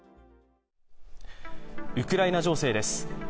ウクライナ情勢です。